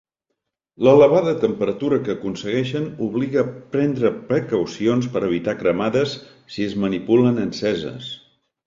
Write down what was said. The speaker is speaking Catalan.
L'elevada temperatura que aconsegueixen obliga a prendre precaucions per evitar cremades si es manipulen enceses.